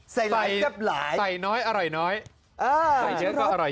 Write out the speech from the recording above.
สายหลายแซ่บหลายแซ่บหลายเออนี่ครับ